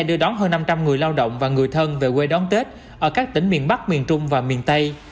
đưa đón hơn năm trăm linh người lao động và người thân về quê đón tết ở các tỉnh miền bắc miền trung và miền tây